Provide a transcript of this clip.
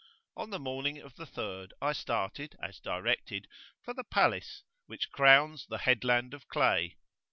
On the morning of the third I started, as directed, for the Palace, which crowns the Headland of Clay.